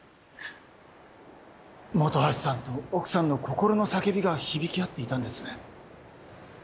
本橋さんと奥さんの心の叫びが響き合っていたんですね。